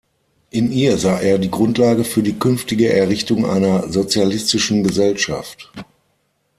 In ihr sah er die Grundlage für die künftige Errichtung einer sozialistischen Gesellschaft.